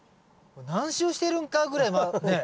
何周してるんかぐらいねっ。